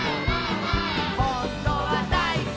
「ほんとはだいすきなんだ」